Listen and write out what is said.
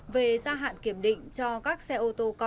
về gia hạn kiểm định cho các xe ô tô con đến chín chỗ mồi